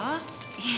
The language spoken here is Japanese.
いえ